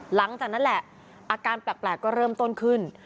หลังจากนั้นแหละอาการแปลกก็เริ่มต้นขึ้น